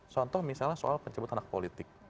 contoh misalnya soal pencebut anak politik